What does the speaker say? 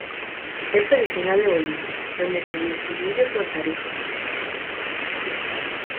Es originaria de Bolivia, donde se distribuye por Tarija.